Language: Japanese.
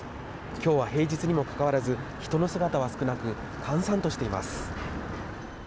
今日は平日にもかかわらず人の姿は少なく閑散としています。